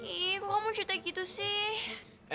ih kok kamu cerita gitu sih